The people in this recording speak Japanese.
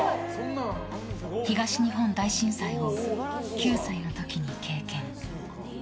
東日本大震災を９歳の時に経験。